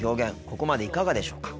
ここまでいかがでしょうか。